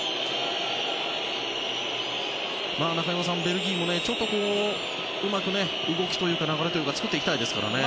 中山さん、ベルギーもちょっとうまく動きというか流れというのを作っていきたいですよね。